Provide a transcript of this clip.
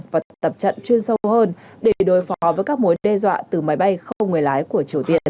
và tập trận chuyên sâu hơn để đối phó với các mối đe dọa từ máy bay không người lái của triều tiên